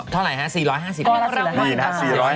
เท่าไหร่ครับ๔๕๐บาท